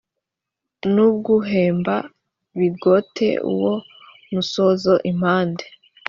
n ubw umuhemba bigote uwo musozo impande